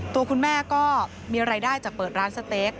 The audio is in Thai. ตัวคุณแม่ก็มีรายได้จากเปิดร้านสเต๊ก